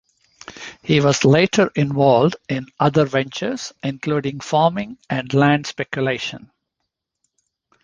He was later involved in other ventures, including farming and land speculation.